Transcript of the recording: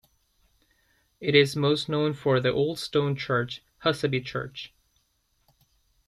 It is most known for the old stone church Husaby Church.